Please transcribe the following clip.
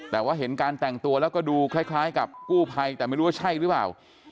แต่ว่าเห็นการแต่งตัวแล้วก็ดูคล้ายกับกู้ภัยแต่ไม่รู้ว่าใช่หรือเปล่า